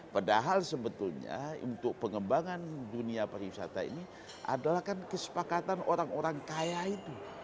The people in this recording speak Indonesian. padahal sebetulnya untuk pengembangan dunia pariwisata ini adalah kan kesepakatan orang orang kaya itu